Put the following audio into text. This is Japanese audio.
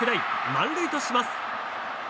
満塁とします。